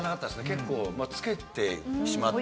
結構。